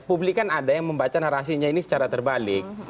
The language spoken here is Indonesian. publik kan ada yang membaca narasinya ini secara terbalik